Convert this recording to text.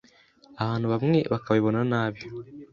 abantu bamwe bakabibona nabi.